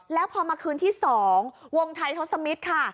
แล้วพอมาคืนที่สองวงไทยทอสมิสค่ะ